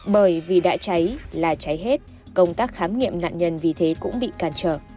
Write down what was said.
bởi vì đã cháy là cháy hết công tác khám nghiệm nạn nhân vì thế cũng bị càn trở